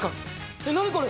えっ何これ？